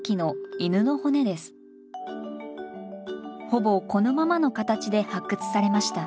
ほぼこのままの形で発掘されました。